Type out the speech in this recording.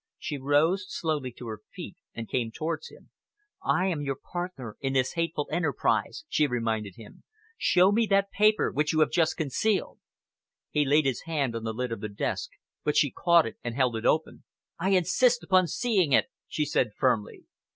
She rose slowly to her feet and came towards him. "I am your partner in this hateful enterprise," she reminded him. "Show me that paper which you have just concealed." He laid his hand on the lid of the desk, but she caught it and held it open. "I insist upon seeing it," she said firmly.